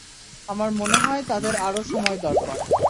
আমার মনে হয় তাদের আরও সময় দরকার।